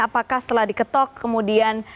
apakah setelah diketok kemudian